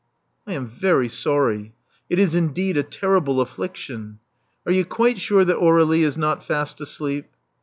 I am very sorry. It is indeed a terrible affliction. Are you quite sure that Aur^lie is not fast asleep?"